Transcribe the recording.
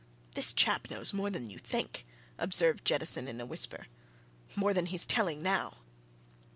"This chap knows more than you think," observed Jettison in a whisper. "More than he's telling now!"